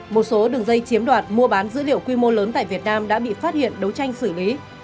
một số đường dây chiếm đoạt mua bán dữ liệu quy mô lớn tại việt nam đã bị phát hiện đấu tranh xử lý